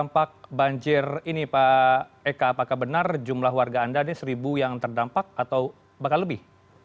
dampak banjir ini pak eka apakah benar jumlah warga anda ini seribu yang terdampak atau bakal lebih